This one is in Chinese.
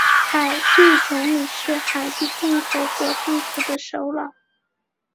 海地总理是海地共和国政府的首脑。